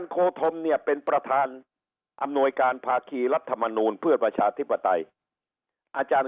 โคธมเนี่ยเป็นประธานอำนวยการภาคีรัฐมนูลเพื่อประชาธิปไตยอาจารย์